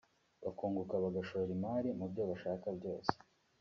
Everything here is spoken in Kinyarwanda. bakunguka bagashora imari mu byo bashaka byose